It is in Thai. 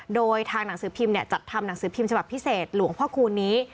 โดยทางหนังสือพิมพ์จัดทำหนังสือพิมพ์ฉบับพิเศษหลวงพ่อคูณนี้